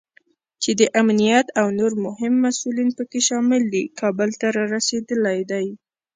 چې د امنیت او نور مهم مسوولین پکې شامل دي، کابل ته رارسېدلی دی